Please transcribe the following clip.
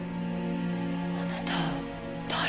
あなた誰？